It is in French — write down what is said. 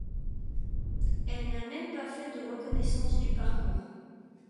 Elle n'a même pas fait de reconnaissance du parcours.